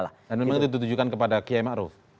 dan memang itu ditujukan kepada kei makruf